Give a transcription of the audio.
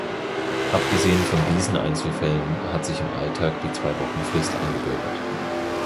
Abgesehen von diesen Einzelfällen hat sich im Alltag die zwei-Wochen-Frist eingebürgert.